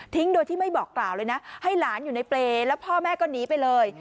โดยที่ไม่บอกกล่าวเลยนะให้หลานอยู่ในเปรย์แล้วพ่อแม่ก็หนีไปเลย